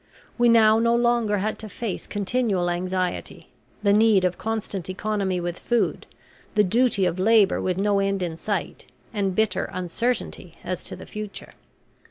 We now no longer had to face continual anxiety, the need of constant economy with food, the duty of labor with no end in sight, and bitter uncertainty as to the future.